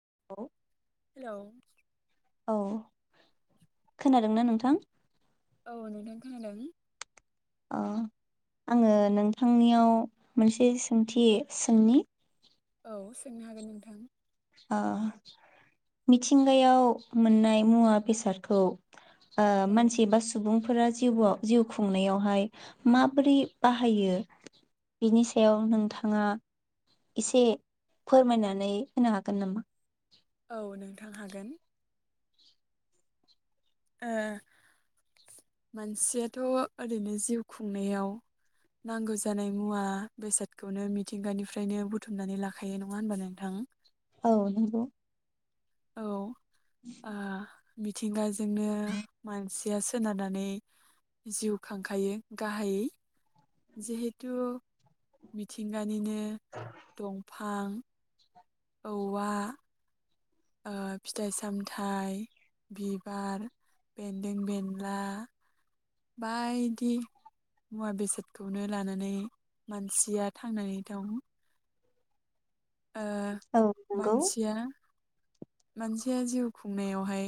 [unintelligible] हेल'। औ खोनादोंना नोंथां? औ नोंथां खोनादों। अह आङो नोंथांनियाव मोनसे सोंथि सोंनि। औ सोंनो हागोन नोंथां। ओ मिथिंगायाव मोननाय मुवा बेसादखौ ओ औ मानसि बा सुबुं फोरा जिवाव जिउ खुंनायावहाय माबोरै बाहायो बिनि सायाव नोंथाङा एसे फोरमायनानै होनो हागोन नामा? औ नोंथां हागोन। ओ मानसियाथ' ओरैनो जिउ खुंनायाव नांगौ जानाय मुवा बेसादखौनो मिथिंगानिफ्रायनो बुथुमनानै लाखायो नङा होनबा नोंथां? औ नोंगौ। औ ओ मिथिंगाजोंनो मानसिया सोनारनानै जिउ खांखायो गाहाइयै, जिहेतु मिथिंगा निनो दंफां, औवा ओ फिथाइ सामथाइ, बिबार बेन्दों बेनला बायदि मुवा बेसादखौनो लानानै मानसिया थांनानै दं। ओ औ नंगौ मानसिया मानसिया जिउ खुंनायावहाय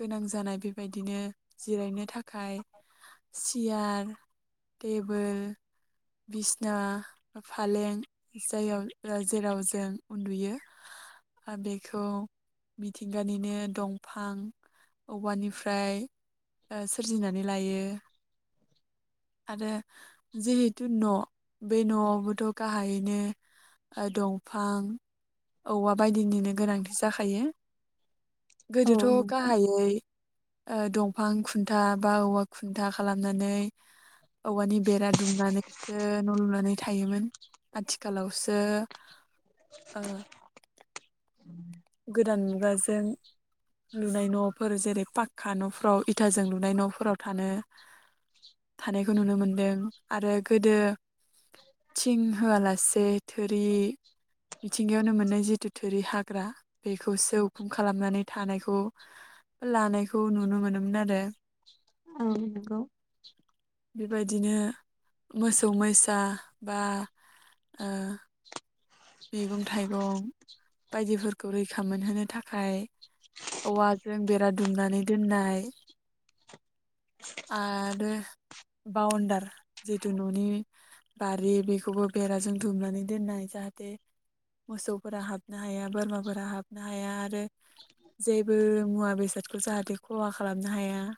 गोनां जानाय बेबायदिनो जिरायनो थाखाय सियार, टेबोल बिसना बा फालें जायाव ओ जेराव जों उन्दुयो ओ बेखौ मिथिंगानिनो दंफां औवानिफ्राय ओ सोरजिनानै लायो आरो जिहेतु न' बे न'आव बोथ' गाहाइयैनो ओ दंफां औवा बायदिनिनो गोनांथि जाखायो। औ गोदोथ' नंगौ गाहाइयै ओ दंफां खुन्था बा औवा खुन्था खालामनानै औवानि बेरा दुमनानैसो न' लुनानै थायोमोन। आथिखालावसो ओ गोदान मुगाजों लुनाय न'फोर जेरै पाक्का न'फोराव इथाजों लुनाय न'फोराव थानो थानायखौ नुनो मोनदों आरो गोदो थिं होआलासे थोरि मिथिंगायावनो मोननाय जिथु थोरि हाग्रा बेखौसो उखुम खालामनानै थानायखौ लानायखौ नुनो मोनोमोन आरो। औ नंगौ। बेबायदिनो मोसौ मैसा बा ओ मैगं थाइगं बायदिफोरखौ रैखा मोनहोनो थाखाय औवाजों बेरा दुमनानै दोननाय आरो बाउणडार जितु न'नि बारि बेखौबो बेराजों दुमनानै दोननाय जाहाथे मोसौफोरा हाबनो हाया बोरमाफोरा हाबनो हाया आरो। जेबो मुवा बेसादखौ जाहाथे खहा खालामनो हाया। [inaudible]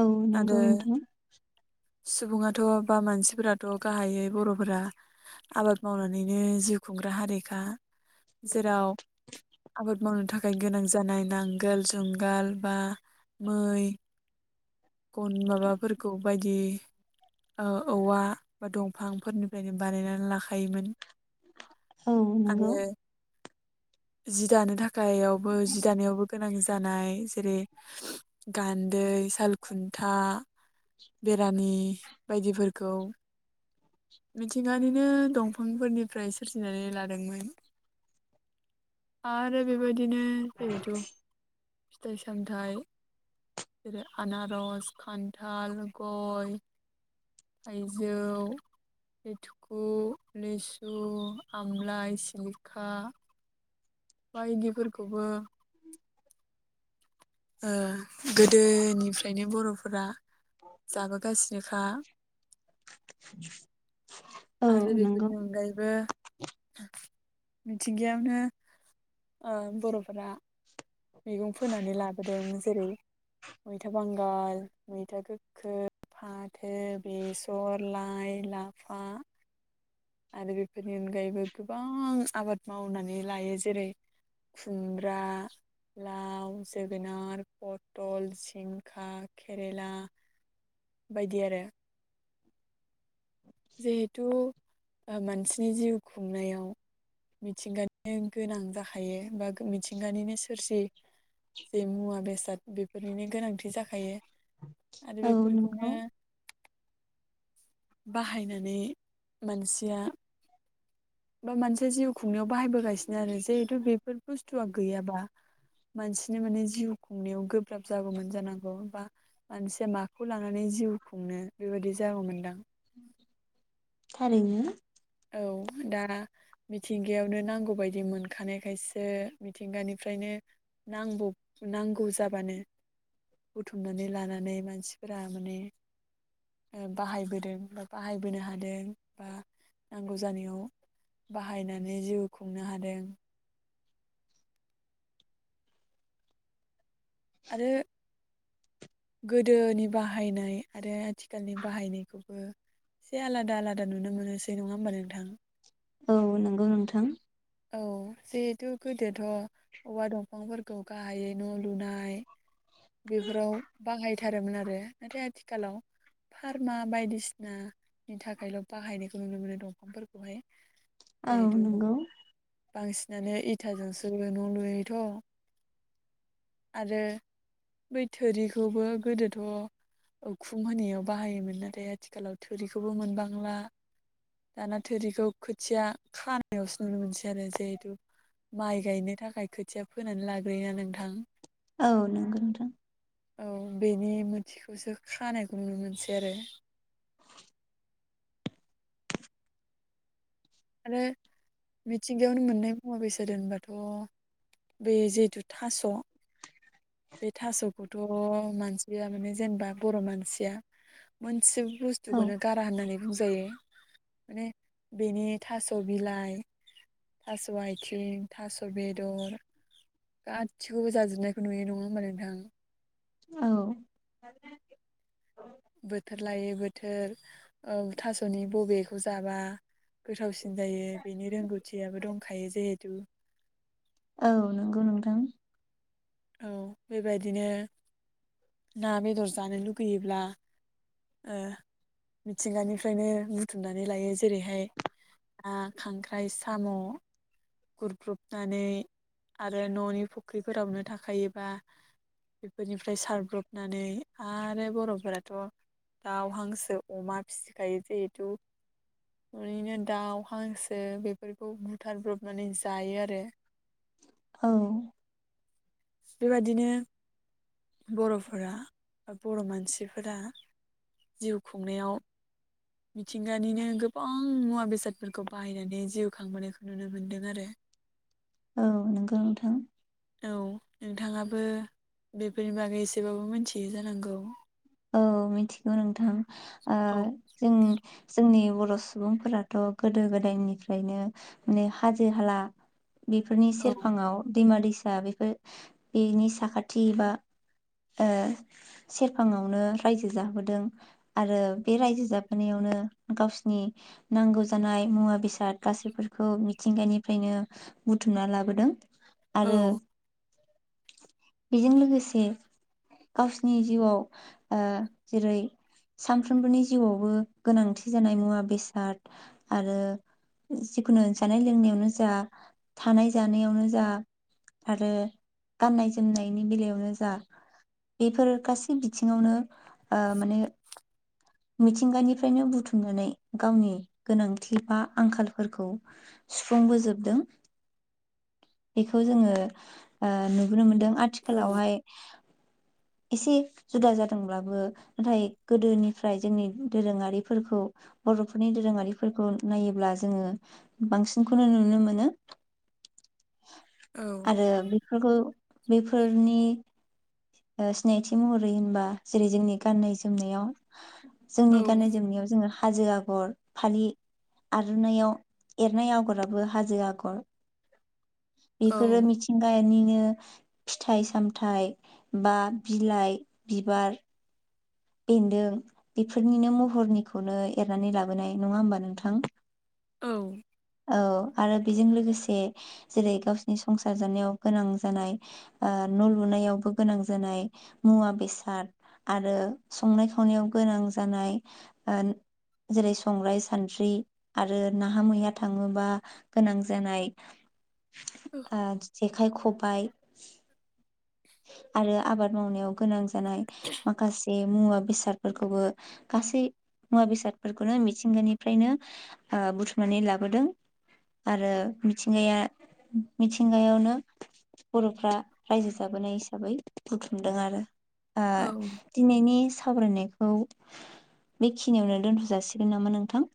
औ नोंगौ आरो नोंथां। सुबुङाथ' बा मानसिफोराथ' गाहायै बर'फोरा - आबाद मावनानैनो जिउ खुंग्रा हारिेखा जेराव - आबाद मावनो थाखाय गोनां जानाय नांगोल, जुंगाल बा मै गन माबाफोरखौ बायदि ओ औवा बा दंफां फोरनिफ्रायनो बानायनानै लाखायोमोन। औ आरो नंगौ। [inaudible] जि दानो थाखायावबो जि दानायावबो गोनां जानाय जेरै गान्दै साल खुन्था बेरानि बायदिफोरखौ मिथिंगानिनो दंफांफोरनिफ्राय सोरजिनानै लादोंमोन आरो बेबायदिनो जिरहेथु फिथाइ सामथायाइ जेरै आनारस, खान्थाल, गय थायजौ लिटकु, लिसु, आमलाइ, सिलिखा बायदिफोरखौबो ओ गोदो निफ्रायनो बर'फोरा जाबोगासिनोखा औ आरो नंगौ बेफोरनि अनगायैबो मिथिंगायावनो ओ बर'फोरा मैगं फोनानै लाबोदों जेरै मैथा बांगाल, मैथा गोखो फाथो, बेसर, लाइ, लाफा आरो बेफोरनि अनगायैबो गोबां आबाद मावनानै लायो। जेरै खुमब्रा लाव, जोगोनार, पतल, जिंखा, केरेला बायदि आरो जिहेथु मानसिनि जिउ खुंनायाव मिथिंगानो गोनां जाखायो बा मिथिंगानिनो सोरजि जे मुवा बेसाद बेफोरनिनो गोनांथि जाखायो आरो औ नंगौ बेफोरखौनो बाहायनानै मानसिया बा मानसिया जिउ खुंनायाव बाहायबोगासिनो आरो जिहेतु बेफोर बुस्थुआ गैयाबा मानसिनि माने जिउ खुंनायाव गोब्राब जागौमोन जानांगौ बा मानसिया माखौ लानानै जिउ खुंनो बेबायदि जागौमोनदां। थारैनो औ दा मिथिंगायावनो नांगौ बायदि मोनखानायखायसो मिथिंगानिफ्रायनो ने नांगौ नांगौ जाबानो बुथुमनानै लानानै मानसिफोरा माने नो बाहायबोदों बा बाहायबोनो हादों बा नांगौ जानायाव बाहायनानै जिउ खुंनो हादों। आरो गोदोनि बाहायनाय आरो आथिखालनि बाहायनायखौबो एसे आलादा आलादा नुनो मोनोसै नङा होमब्ल नों औ नंगौ नोंथां औ जिहेथु गोदोथ' औवा दंफांफोरखौ गाहायै न' लुनाय बेफोराव बाहायथारोमोन आरो नाथाय आथिखालाव फारमा बायदिसिनानि थाखायल' बाहायनायखौ नुनो मोनो दंफांफोरखौहाय। औ जिहेथु नोंगौ बांसिनानो इथाजोंसो न' लुयोथ' आरो बै थोरिखौबो गोदोथ' उखुम होनायाव बाहायोमोन नाथाय आथिखालाव थोरिखौबो मोनबांला दाना थोरिखौ खोथिया खानायावसो नुनो मोनसै आरो जिहेथु माइ गायनो थाखाय खोथिया फोनानै लाग्रोयोना नोंथां औ नोंगो नोंथां। औ बेनि मोनथिखौसो खानायखौ नुनो मोनसै आरो। आरो मिथिंगायावनो मोननाय मुवा बेसाद दोनबाथ' बे जिहेथु थास' बे थास'खौथ' मानसिया माने जेनेबा बर' मानसिया मोनसे औ बुस्थुखौनो गारा होननानै बुंजायो माने बेनि थास' बिलाइ, थास' आइथिं, थास' बेदर गाैसैखौबो जाजोबनायखौ नुयो नङा होमबा नोंथां। औ। बोथोर लायै बोथोर औ थास'नि बबेखौ जाबा गोथावसिन जायो बेनि रोंगौथियाबो दंखायो जेहेथु औ नोंगौ नोंथां। औ बेबायदिनो ना बेदर जानो लुगैयोब्ला ओ मिथिंगानिफ्रायनो बुथुमनानै लायो जेरैहाय ना, खांख्राइ, साम' गुरब्रुबनानै आरो न'नि फुख्रिफोरावनो थाखायोबा बिफोरनिफ्राय सारब्रबनानै आरो बर'फोराथ' दाउ, हांसो, अमा फिसिखायो जिहेथु ओरैनो दाउ हांसो बेफोरखौ बुथारब्रबनानै जायो आरो। औ। बेबायदिनो बर'फोरा बा बर' मानसिफोरा जिउ खुंनायाव मिथिंगानिनो गोबां मुवा बेसादफोरखौ बाहायनानै जिउ खांबोनायखौ नुनो मोन्दों आरो [inaudible] औ नोंगौ नोंथां। औ नोंथाङाबो बेफोरनि बागै एसेबाबो मिथियो जानांगौ औ मिथिगौ नोंथां ओ औ जों जोंनि बर' सुबुंफोराथ' गोदो गोदायनिफ्रायनो माने हाजो हाला बिफोरनि औ सेरफाङाव दैमा दैसा बेफोर बेनि साखाथि बा ओ सेरफाङआव आवनो रायजो जाबोदों आरो बे रायजो जाबोनायावनो गावसिनि नांगौ जानाय मुवा बेसाद गासैफोरखौ मिथिंगानिफ्रायनो बुथुमना लाबोदों। औ आरो बिजों लोगोसे गावसिनि जिउआव ओ जेरै सानफ्रोमबोनि जिउआवबो गोनांथि जानाय मुवा बेसाद आरो जिखुनु जानाय लोंनायावनो जा थानाय जानायावनो जा आरो गाननाय जोमनायनि बेलायावनो जा बिफोर गासै बिथिं सिंङावनो ओ माने मिथिंगानिफ्रायनो बुथुमनानै गावनि गोनांथि बा आंखालफोरखौ सुफुंबोजोबदों [inaudible] बिखौ जोङो ओ नुबोनो मोनदों औ आथिखालावहाय। एसे जुदा जादोंब्लाबो नाथाय गोदोनिफ्राय जोंनि दोरोङारिफोरखौ बर'फोरनि दोरोङारिफोरखौ नायोब्ला जोङो बांसिनखौनो नुनो मोनो आरो बेफोरखौ बेफोरनि ओ सिनायथि महरै होनबा जेरै जोंनि गाननाय जोमनायाव औ जोंनि गान्नाय जोमनायाव जोङो हाजो आगर फालि आर'नायाव एरनाय आगराबो हाजो आगर बेफोरो औ मिथिंगायानि नो फिथाइ सामथायाइ बा बिलाइ बिबार बेन्दों बेफोरनिनो महरनिखौनो एरनानै लाबोनाय नङा होमबा नोंथां? औ औ आरो बेजों लोगोसे जेरै गावसिनि संसार जानायाव गोनां जानाय ओ न' लुनायावबो गोनां जानाय मुवा बेसाद आरो संनाय खावनायाव गोनां जानाय ओ जेरै संग्राय सानद्रि आरो नाहा-मैया थाङोबा गोनां जानाय आ जे खाय खबाइ आरो आबाद मावनायाव गोनां जानाय माखासे मुवा बेसादफोरखौबो गासै मुवा बेसादफोरखौनो मिथिंगानिफ्रायनो ओ बुथुमनानै लाबोदों आरो मिथिंगाया मिथिंगायावनो बर'फ्रा रायजो जाबोनाय हिसाबै बुथुमदों आरो औ ओ दिनैनि सावरायनायखौ बेखिनियावनो दोनथ' जासिगोन नामा नोंथां?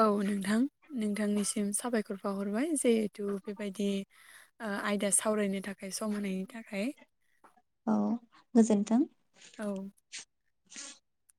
औ नोंथां नोंथांनिसिम साबायखर बाहरबाय जिहेथु बेबायदि आयदा सावरायनो थाख खाय सम होनायनि थाखाय औ गोजोन्थों। औ [inaudible]